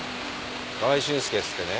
河合俊介っつってね。